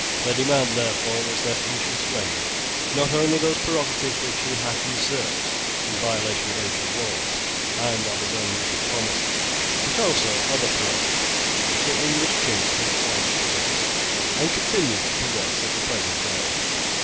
Their demand, therefore, was, that he should surrender, not only those prerogatives which he had usurped in violation of ancient laws and of his own recent promises, but also other prerogatives which the English Kings had always possessed, and continue to possess at the present day.